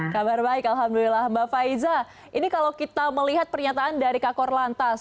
kabar baik alhamdulillah mbak faiza ini kalau kita melihat pernyataan dari kakor lantas